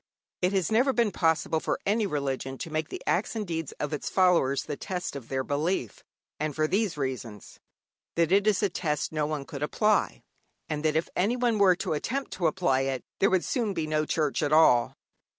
It has never been possible for any religion to make the acts and deeds of its followers the test of their belief. And for these reasons: that it is a test no one could apply, and that if anyone were to attempt to apply it, there would soon be no Church at all.